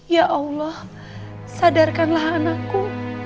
ya allah sadarkanlah anakku